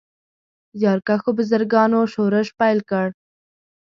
زیارکښو بزګرانو شورش پیل کړ.